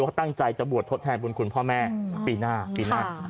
เขาตั้งใจจะบวชทดแทนบุญคุณพ่อแม่ปีหน้าปีหน้า